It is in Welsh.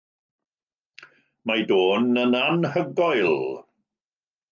Mae ei dôn yn anhygoel.